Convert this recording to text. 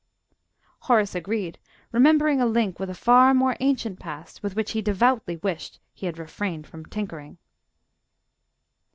Horace agreed, remembering a link with a far more ancient past with which he devoutly wished he had refrained from tinkering.